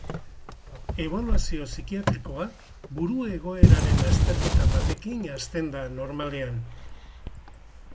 Ebaluazio psikiatrikoa buru egoeraren azterketa batekin hasten da normalean.